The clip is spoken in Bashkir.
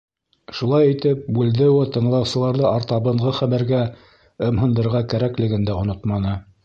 Шулай итеп, Бульдео тыңлаусыларҙы артабанғы хәбәргә ымһындырырға кәрәклеген дә онотманы.